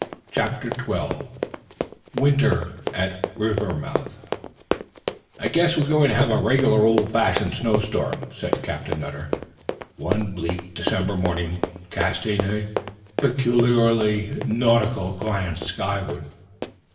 Chapter Twelve Winter at Rivermouth "I guess we're going to have a regular old fashioned snowstorm," said Captain Nutter, one bleak December morning, casting a peculiarly nautical glance skyward.